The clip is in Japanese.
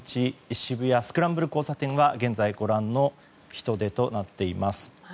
渋谷スクランブル交差点は現在ご覧の人出となっています。